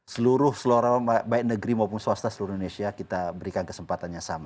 seluruh seluruh baik negeri maupun swasta seluruh indonesia kita berikan kesempatan yang sama